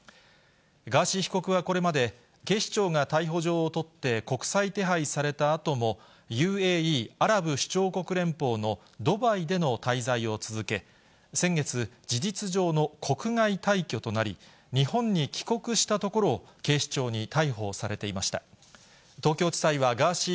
ガーシー被告はこれまで、警視庁が逮捕状を取って、国際手配されたあとも、ＵＡＥ・アラブ首長国連邦のドバイでの滞在を続け、先月、事実上の国外退去となり、日本に帰国したところを、警視庁に逮捕されていました。